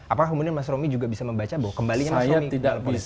apakah kemudian mas romi juga bisa membaca bahwa kembalinya mas romi ke dalam politik